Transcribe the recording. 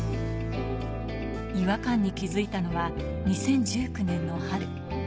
違和感に気づいたのは２０１９年の春。